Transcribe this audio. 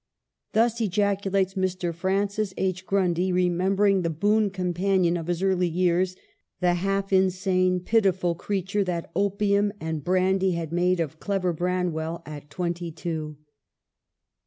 Thus ejaculates Mr. Francis H. Grundy, re membering the boon companion of his early years, the half insane, pitiful creature that opium and brandy had made of clever Branwell at twenty two.